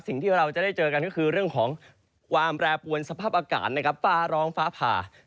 สิ่งที่เราจะได้เจอกันก็คือเรื่องของความแปรปวนสภาพอากาศนะครับฟ้าร้องฟ้าผ่า